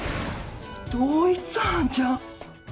同一犯じゃん！